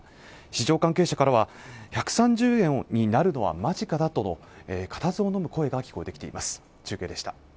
市場関係者からは１３０円になるのは間近だとの固唾を呑む声が聞こえてきています